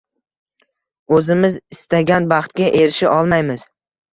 o‘zimiz istagan baxtga erisha olmaymiz.